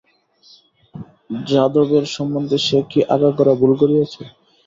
যাদবের সম্বন্ধে সে কি আগাগোড়া ভুল করিয়াছে?